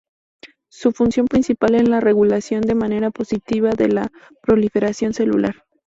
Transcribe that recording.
Su función principal es la regulación de manera positiva de la proliferación celular.